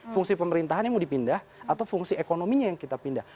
fungsi pemerintahannya mau dipindah atau fungsi ekonominya yang kita pindah